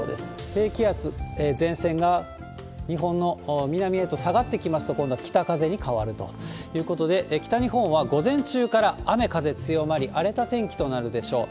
低気圧、前線が日本の南へと下がってきますと、今度は北風に変わるということで、北日本は午前中から雨風強まり、荒れた天気となるでしょう。